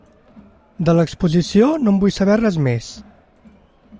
De l'exposició no en vull saber res més!